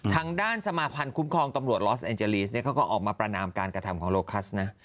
ทางด้านสมาพันธ์คุ้มครองตำรวจลอสแอนเจลีสเนี่ยเขาก็ออกมาประนามการกระทำของโลคัสนะ